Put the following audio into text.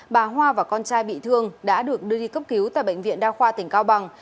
bà hoa và con trai bị thương đã được đưa đi cấp cứu tại bệnh viện đa khoa tỉnh cao bằng